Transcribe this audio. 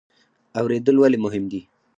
اوریدل ولې مهم دي؟